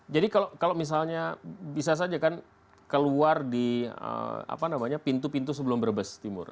jadi kalau misalnya bisa saja kan keluar di apa namanya pintu pintu sebelum brebes timur